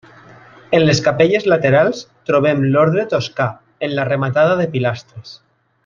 En les capelles laterals trobem l'ordre toscà en la rematada de pilastres.